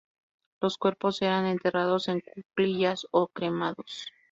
Los cuerpos eran enterrados en cuclillas o cremados.